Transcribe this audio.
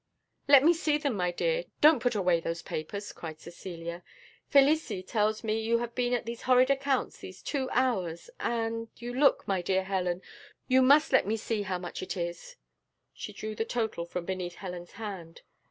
"Let me see them, my dear, don't put away those papers," cried Cecilia; "Felicie tells me that you have been at these horrid accounts these two hours, and you look my dear Helen, you must let me see how much it is!" She drew the total from beneath Helen's hand.